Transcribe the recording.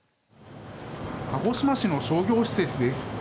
鹿児島市の商業施設です。